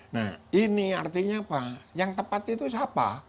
nah ini artinya apa yang tepat itu siapa